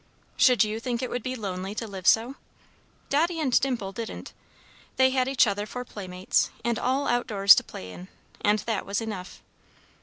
Should you think it would be lonely to live so? Dotty and Dimple didn't. They had each other for playmates, and all outdoors to play in, and that was enough.